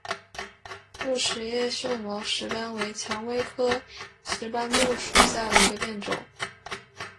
木齿叶锈毛石斑为蔷薇科石斑木属下的一个变种。